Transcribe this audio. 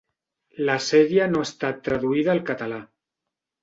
La sèrie no ha estat traduïda al català.